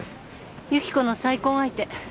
由紀子の再婚相手。